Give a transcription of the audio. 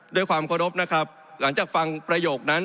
ด้วยความเคารพนะครับหลังจากฟังประโยคนั้น